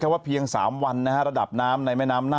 ว่าเพียง๓วันนะฮะระดับน้ำในแม่น้ำน่า